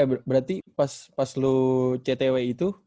eh berarti pas lu ctw itu